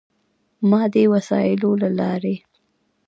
مادي وسایلو له لارې.